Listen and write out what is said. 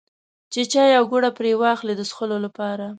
چې چای او ګوړه پرې واخلي د څښلو لپاره.